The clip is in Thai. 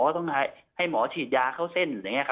ต้องไปหาหมอให้หมอฉีดยาเข้าเส้น